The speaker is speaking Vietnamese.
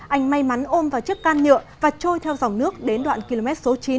anh may mắn ôm vào chiếc can nhựa và trôi theo dòng nước đến đoạn km số chín